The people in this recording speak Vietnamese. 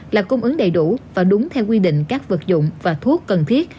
là cung ứng đầy đủ và đúng theo quy định các vật dụng và thuốc cần thiết